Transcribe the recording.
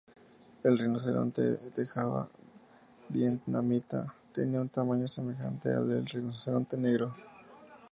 El rinoceronte de Java vietnamita tenía un tamaño semejante al del rinoceronte negro.